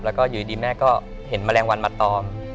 แล้วก็อยู่ดีแม่ก็เห็นแมลงวันมาตอม